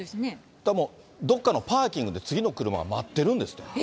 でも、どっかのパーキングで次の車が待ってるんですって。